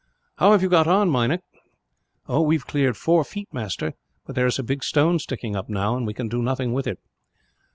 "How have you got on, Meinik?" "We have cleared four feet, master; but there is a big stone sticking up, now, and we can do nothing with it."